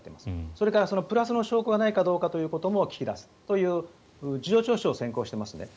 それにプラスの証拠がないかということも聞き出すという事情聴取を先行していますね。